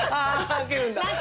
開けるんだ。